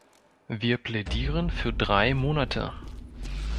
Wir plädieren für drei Monate.